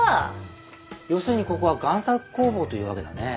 要するにここは贋作工房というわけだね。